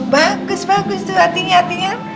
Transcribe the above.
bagus bagus tuh artinya artinya